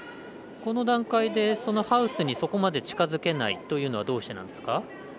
この段階でハウスにそこまで近づけないというのはどうしてなんですか？